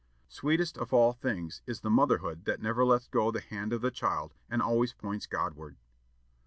Sweetest of all things is the motherhood that never lets go the hand of the child, and always points Godward!